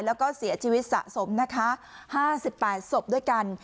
แล้วก็เสียชีวิตสะสมนะคะ๕๘ศพด้วยกัน